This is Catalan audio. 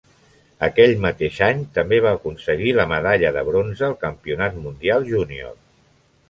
Aquell mateix any també va aconseguir la medalla de bronze al Campionat Mundial Junior.